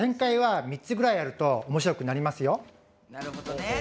なるほどね。